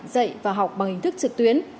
dạy và học bằng hình thức trực tuyến